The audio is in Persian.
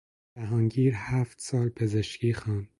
جهانگیر هفت سال پزشکی خواند.